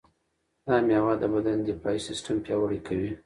دا مېوه د بدن دفاعي سیستم پیاوړی کوي.